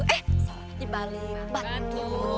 eh di balik batu